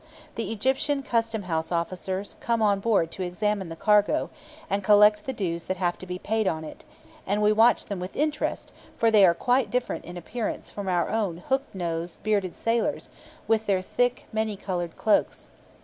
The Egyptian Custom house officers come on board to examine the cargo, and collect the dues that have to be paid on it; and we watch them with interest, for they are quite different in appearance from our own hook nosed, bearded sailors, with their thick many coloured cloaks.